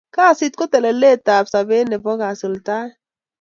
kasit ko telelet ap saber Nepo kasultaet